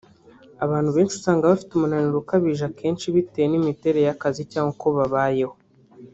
Abantu benshi usanga bafite umunaniro ukabije akenshi bitewe n’imiterere y’akazi cyangwa uko babayeho